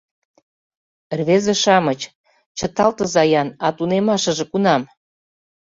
— Рвезе-шамыч, чыталтыза-ян, а тунемашыже кунам?